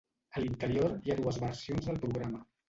A l'interior hi ha dues versions del programa.